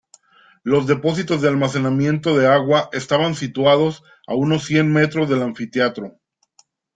Los depósitos de almacenamiento de agua estaban situados a unos cien metros del anfiteatro.